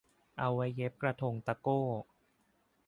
เอาไว้เย็บกระทงตะโก้